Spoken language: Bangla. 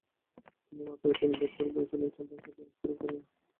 তিনি মাত্র তিন বছর বয়সে ল্যাটিন ভাষা পড়া শুরু করেন।